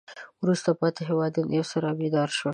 وروسته پاتې هېوادونه یو څه را بیدار شوي.